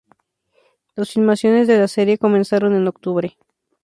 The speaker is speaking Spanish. Las filmaciones de la serie comenzaron en octubre.